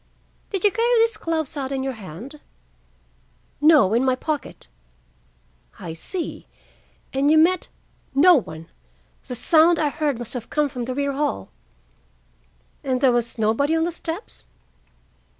"Did you carry these gloves out in your hand?" "No, in my pocket." "I see. And you met—" "No one. The sound I heard must have come from the rear hall." "And there was nobody on the steps?"